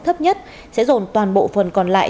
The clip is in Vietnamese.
thấp nhất sẽ dồn toàn bộ phần còn lại